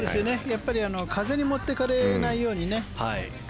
やっぱり風に持っていかれないようにね。